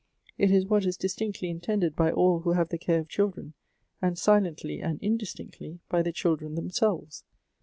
It is what is distinctly, intended by all who have the care of children, and silent ly and indistinctly by the children themselves.